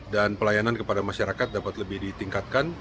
dan pelayanan kepada masyarakat dapat lebih ditingkatkan